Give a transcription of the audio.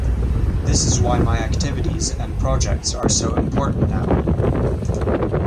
This is why my activities and projects are so important now.